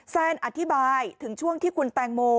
แซนอธิบายถึงช่วงที่คุณแตงโม